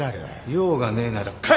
用がねえなら帰れ！